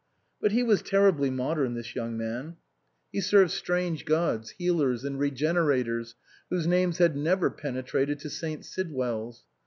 But he was terribly modern this young man. He served strange 245 SUPERSEDED gods, healers and regenerators whose names had never penetrated to St. Sidwell's.